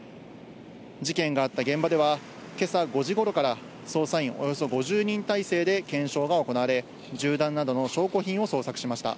事件があった現場では今朝５時頃から捜査員およそ５０人態勢で検証が行われ、銃弾などの証拠品を捜索しました。